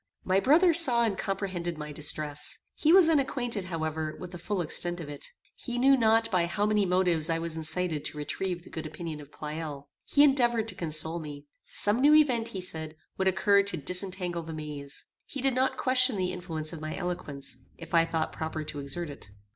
My brother saw and comprehended my distress. He was unacquainted, however, with the full extent of it. He knew not by how many motives I was incited to retrieve the good opinion of Pleyel. He endeavored to console me. Some new event, he said, would occur to disentangle the maze. He did not question the influence of my eloquence, if I thought proper to exert it.